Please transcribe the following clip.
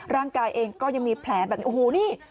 ร่างกายเองก็ยังมีแผลแบบโอ้โหนี่